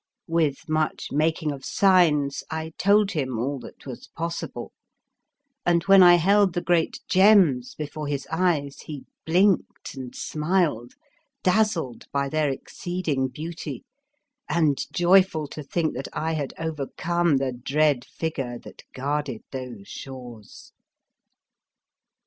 With much making of signs I told him all that was possible, and when I held the great gems before his eyes he blinked and smiled, dazzled by their exceeding beauty and joyful to think that I had overcome the dread figure that guarded those shores.